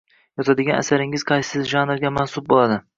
Yozadigan asaringiz qaysi janrga mansub bo’ladi